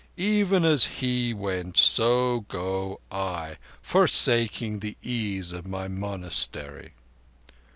Even as He went so go I, forsaking the ease of my monastery.